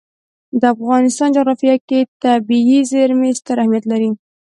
د افغانستان جغرافیه کې طبیعي زیرمې ستر اهمیت لري.